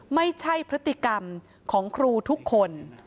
ไม่ใช่พฤติกรรมของครูทุกคน